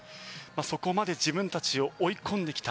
そこまで自分たちを追い込んできた。